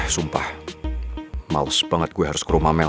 sumpah males banget gue harus ke rumah mel